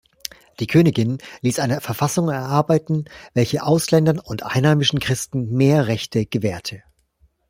Die Königin ließ eine Verfassung erarbeiten, welche Ausländern und einheimischen Christen mehr Rechte gewährte.